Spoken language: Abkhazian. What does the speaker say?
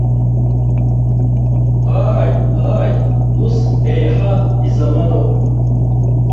Ааи-ааи, ус еиҳа изаманоуп.